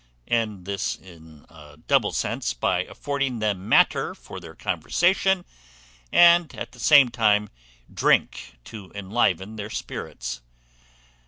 And this in a double sense, by affording them matter for their conversation, and, at the same time, drink to enliven their spirits.